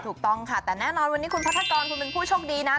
ถูกต้องค่ะแต่แน่นอนวันนี้คุณพัทกรคุณเป็นผู้โชคดีนะ